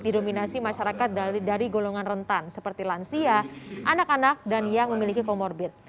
didominasi masyarakat dari golongan rentan seperti lansia anak anak dan yang memiliki comorbid